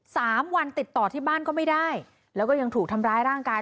สามวันติดต่อที่บ้านก็ไม่ได้แล้วก็ยังถูกทำร้ายร่างกาย